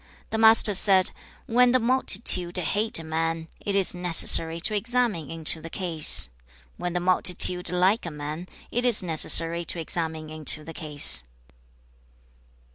The Master said, 'When the multitude hate a man, it is necessary to examine into the case. When the multitude like a man, it is necessary to examine into the case.'